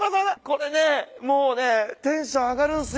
これねもうねテンション上がるんすよ。